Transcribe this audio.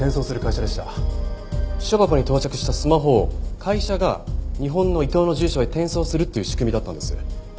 私書箱に到着したスマホを会社が日本の伊藤の住所へ転送するっていう仕組みだったんです。